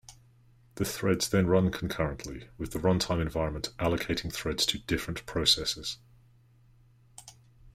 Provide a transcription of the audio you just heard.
The threads then run concurrently, with the runtime environment allocating threads to different processors.